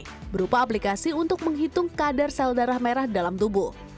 ini berupa aplikasi untuk menghitung kadar sel darah merah dalam tubuh